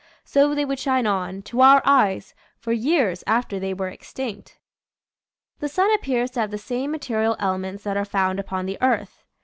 So they would shine on, to our eyes, for years after they were extinct. The sun appears to have the same material elements that are found upon the earth.